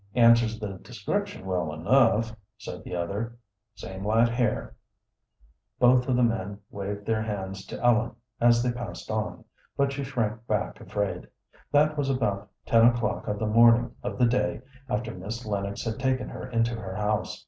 "Answers the description well enough," said the other, "same light hair." Both of the men waved their hands to Ellen as they passed on, but she shrank back afraid. That was about ten o'clock of the morning of the day after Miss Lennox had taken her into her house.